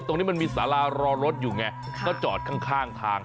ตรงนี้มันมีสารารอรถอยู่ไงก็จอดข้างทาง